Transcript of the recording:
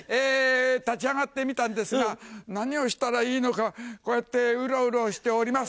立ち上がってみたんですが何をしたらいいのかこうやってうろうろしております。